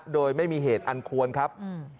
โดยไม่มีเหตุอันควรครับ